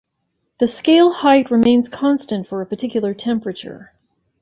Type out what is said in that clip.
The scale height remains constant for a particular temperature.